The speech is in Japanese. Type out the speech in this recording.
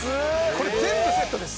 これ全部セットです。